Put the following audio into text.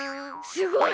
すごい！